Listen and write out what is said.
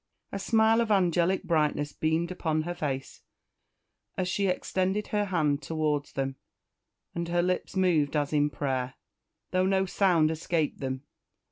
A smile of angelic brightness beamed upon her face as she extended her hand towards them, and her lips moved as in prayer, though no sound escaped them.